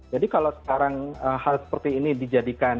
jadi kalau sekarang hal seperti ini dijadikan